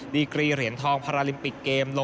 ดีกรีเหรียญทองพาราลิมปิกเกม